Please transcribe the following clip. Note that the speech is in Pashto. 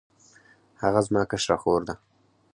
هغه زما کشره خور ده